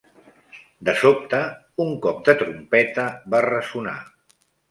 De sobte, un cop de trompeta va ressonar